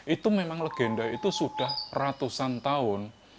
itu memang legenda itu sudah ratusan tahun